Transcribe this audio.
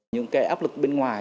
những cái áp lực bên ngoài